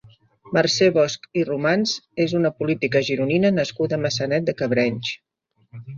Mercè Bosch i Romans és una política gironina nascuda a Maçanet de Cabrenys.